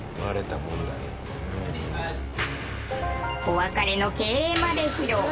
お別れの敬礼まで披露。